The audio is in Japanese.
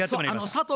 佐藤